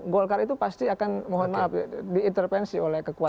golkar itu pasti akan mohon maaf ya diintervensi oleh kekuatan